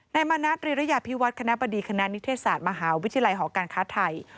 ในมานัดฤยภิวัฒน์คณะประดีคณะนิทธิศาสตร์มหาวิทยาลัยหอการค้าไทย